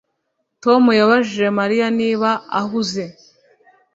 Tom yabajije Mariya niba ahuze